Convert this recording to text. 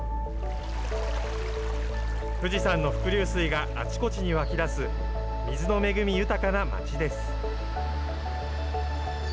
富士山の伏流水があちこちに湧き出す、水の恵み豊かな街です。